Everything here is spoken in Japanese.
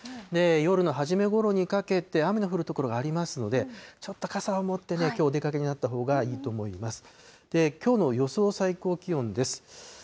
夜の初めごろにかけて、雨の降る所がありますので、ちょっと傘は持ってね、きょう、お出かけになったほうがいいと思います。